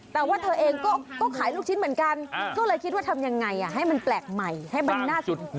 แต่ว่าเธอเองก็ขายลูกชิ้นเหมือนกันก็เลยคิดว่าทำยังไงให้มันแปลกใหม่ให้มันน่าสนใจ